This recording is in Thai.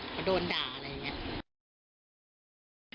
เขาโดนด่าอะไรอย่างนี้